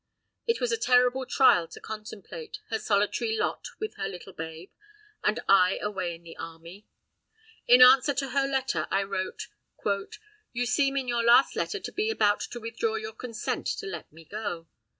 It was a terrible trial to contemplate, her solitary lot with her little babe and I away in the army. In answer to her letter I wrote: "You seem in your last letter to be about to withdraw your consent to let me go.